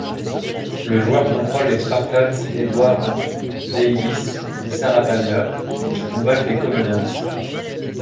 Le joueur contrôle les spartans Edward Davis et Sarah Palmer, qui combattent les Covenants.